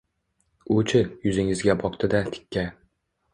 U-chi, yuzingizga boqdi-da tikka